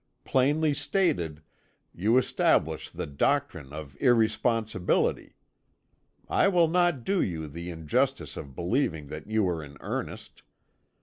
Plainly stated, you establish the doctrine of irresponsibility. I will not do you the injustice of believing that you are in earnest.